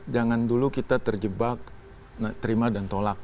jangan dulu kita terjebak terima dan tolak